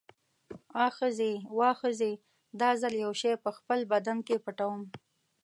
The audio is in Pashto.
آ ښځې، واه ښځې، دا ځل یو شی په خپل بدن کې پټوم.